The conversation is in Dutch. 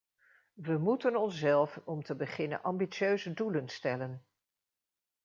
We moeten onszelf om te beginnen ambitieuze doelen stellen.